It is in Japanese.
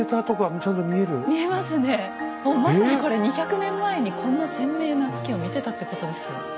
もうまさにこれ２００年前にこんな鮮明な月を見てたってことですよ。